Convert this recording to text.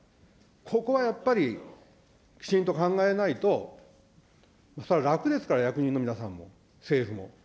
ここはやっぱり、きちんと考えないと、それは楽ですから、役人の皆さんも、政府も。